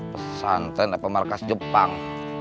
pesantren apa markas jepang